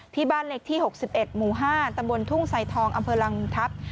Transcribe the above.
ที่บ้านเล็กที่๖๑หมู่๕ตำบลทุ่งไซทองอำเภอลำทัพ